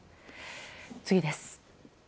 次です。